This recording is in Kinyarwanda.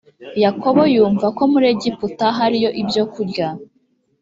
yakobo yumva ko muri egiputa hariyo ibyokurya